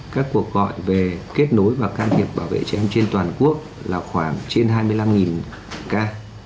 các cuộc gọi về kết nối và can thiệp bảo vệ trẻ em trên toàn quốc là khoảng trên hai mươi năm ca